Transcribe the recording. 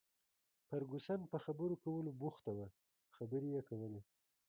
فرګوسن په خبرو کولو بوخته وه، خبرې یې کولې.